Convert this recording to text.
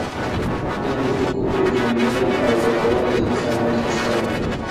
د حقونو پیژندل او ادا کول د انسانیت غوښتنه ده.